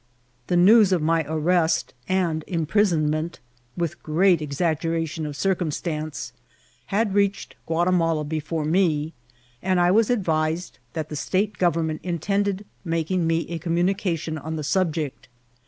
The news of my arrest and imprisonment, with great exaggeration of circumstance, had reached Ouatimala before me, and I was advised that the state govern* ment intended making me a €H>mmnnication on the sub* ject.